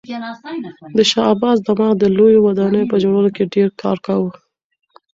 د شاه عباس دماغ د لویو ودانیو په جوړولو کې ډېر کار کاوه.